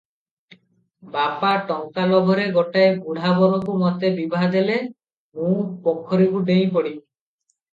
ବାପା ଟଙ୍କା ଲୋଭରେ ଗୋଟାଏ ବୁଢ଼ା ବରକୁ ମୋତେ ବିଭା ଦେଲେ ମୁଁ ପୋଖରୀକୁ ଡେଇଁ ପଡ଼ିବି ।"